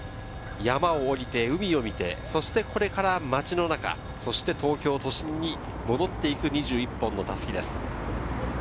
山を降りて海を見て、そしてこれから街の中、東京都心に戻って行く２１本の襷です。